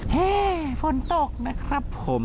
เฮ่ยฝนตกนะครับผม